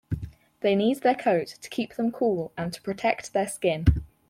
They need their coat to keep them cool and to protect their skin.